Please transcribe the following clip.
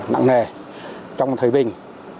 nặng nề trong thời bình